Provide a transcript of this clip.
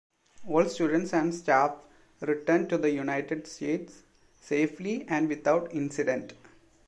All students and staff returned to the United States safely and without incident.